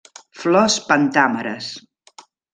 Flors pentàmeres.